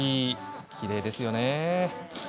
きれいですよね。